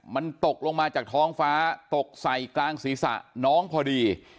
มันตกลงมาจากท้องฟ้าตกใส่กลางศีรษะน้องพอดี